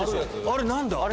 あれ何だ？